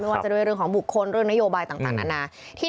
ว่าจะด้วยเรื่องของบุคคลเรื่องนโยบายต่างนานา